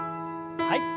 はい。